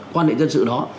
quan hệ dân sự đó